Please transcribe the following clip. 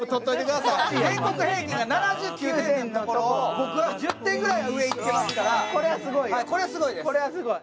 全国平均７９点のところ、僕は１０点ぐらい上をいってますからこれはすごいです。